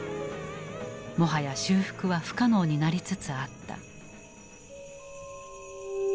もはや修復は不可能になりつつあった。